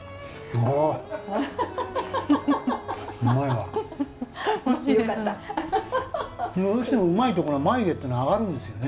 どうしてもうまいとこの眉毛ってのは上がるんですよね。